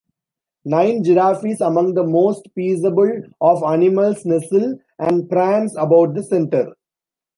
Nine giraffes-among the most peaceable of animals-nestle and prance about the center.